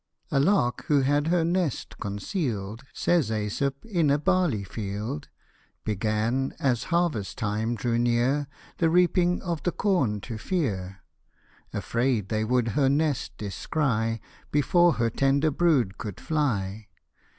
A LARK who had her nest conceaTd, Says ^Esop, in a barley field ; Began, as harvest time drew near, The reaping of the corn to fear : Afraid they would her nest descry, Before her tender brood could fly.